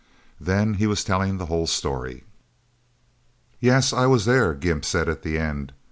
Then he was telling the whole story. "Yes, I was there," Gimp said at the end.